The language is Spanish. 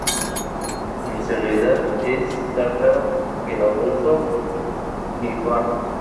Por su nacionalidad es tártaro bielorruso lituano.